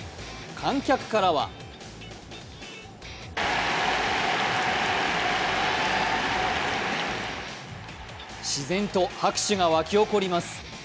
観客からは自然と拍手がわき起こります。